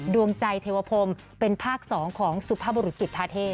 ดวงใจเทวพรมเป็นภาค๒ของสุภาพบุรุษกิจทาเทศ